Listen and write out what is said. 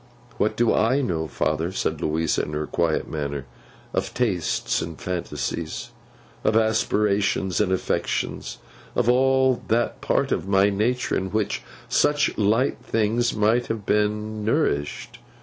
'What do I know, father,' said Louisa in her quiet manner, 'of tastes and fancies; of aspirations and affections; of all that part of my nature in which such light things might have been nourished?